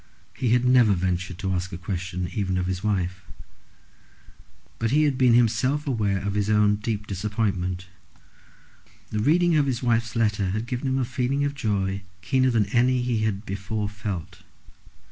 He had never ventured to ask a question even of his wife. But he had been himself aware of his own bitter disappointment. The reading of his wife's letter had given him a feeling of joy keener than any he had before felt.